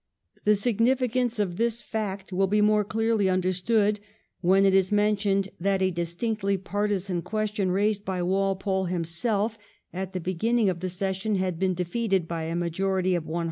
The signifi cance of this fact will be more clearly understood when it is mentioned that a distinctly partisan question raised by Walpole himself at the opening of the session had been defeated by a majority of 126.